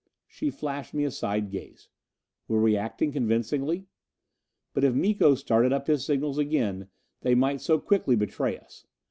She flashed me a side gaze. Were we acting convincingly? But if Miko started up his signals again, they might so quickly betray us!